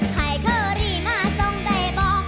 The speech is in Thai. ใครเคยรีมาส่งใดบอก